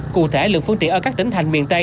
cụ thể lượng phương tiện ở các tỉnh thành miền tây